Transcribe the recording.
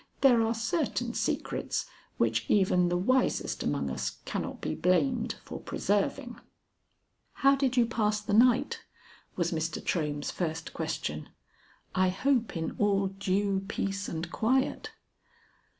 There are certain secrets which even the wisest among us cannot be blamed for preserving. "How did you pass the night?" was Mr. Trohm's first question. "I hope in all due peace and quiet."